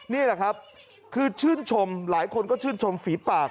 นี่แหละครับคือชื่นชมหลายคนก็ชื่นชมฝีปาก